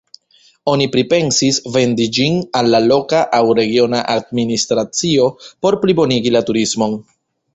Oni pripensis vendi ĝin al la loka aŭ regiona administracio por plibonigi la turismon.